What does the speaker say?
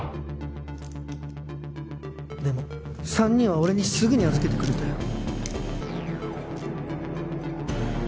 でも３人は俺にすぐに預けてくれたよ。